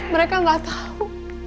mereka gak tahu